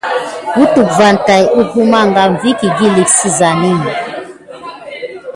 Kutuk va tät mume kam kehokini sigani.